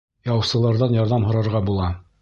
Яусыларҙан ярҙам һорарға була.